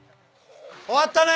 終わったね！